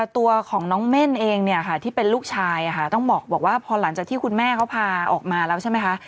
ตัวของน้องเม่นเองเนี่ยค่ะที่เป็นลูกชายต้องบอกว่าพอหลังจากที่คุณแม่เขาพาออกมาแล้วใช่ไหมคะ